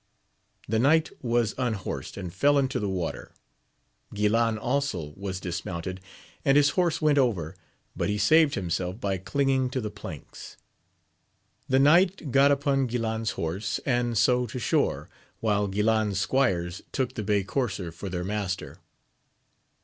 The knight was unhorsed and fell into the water ; Guilan also was dismounted, and his horse went over, but he saved himself by clinging to the planks. The knight got upon Guilan*s horse, and so to shore, while Guilan's squires took the bay courser for their master.